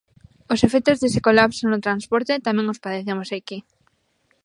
Os efectos dese colapso no transporte tamén os padecemos aquí.